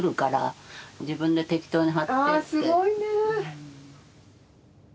あすごいね！